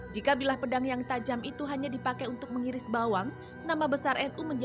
jangan lupa like share dan subscribe ya